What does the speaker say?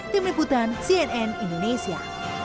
tim liputan cnn indonesia